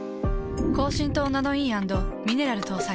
高浸透ナノイー＆ミネラル搭載。